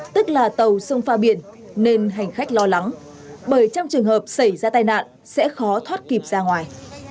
tức là tàu sông pha biển nên hành khách lo lắng bởi trong trường hợp xảy ra tai nạn sẽ khó thoát kịp ra ngoài